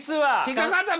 引っ掛かったな！